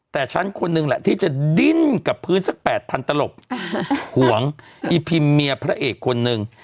แต่ฉันคนนึงแหละที่จะดิ้นกับพื้นสัก๘๐๐ตลบห่วงอีพิมเมียพระเอกคนนึง